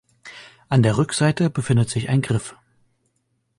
An der Rückseite befindet sich ein Griff.